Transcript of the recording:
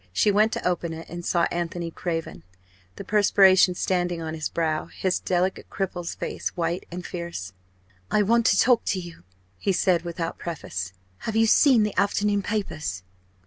She went to open it and saw Anthony Craven, the perspiration standing on his brow, his delicate cripple's face white and fierce. "I want to talk to you," he said without preface. "Have you seen the afternoon papers?"